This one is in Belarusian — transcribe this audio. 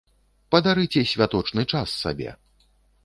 Падарыце святочны час сабе!